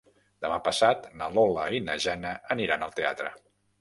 Demà passat na Lola i na Jana aniran al teatre.